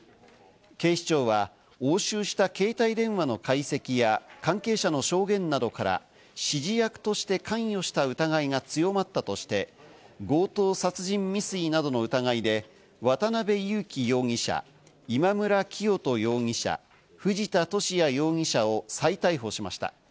警視庁は、押収した携帯電話の解析や関係者の証言などから指示役として関与した疑いが強まったとして、強盗殺人未遂などの疑いで渡辺優樹容疑者、今村磨人容疑者、藤田聖也容疑者を再逮捕しました。